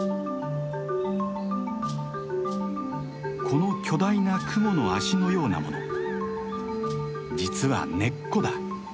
この巨大なクモの脚のようなもの実は根っこだ。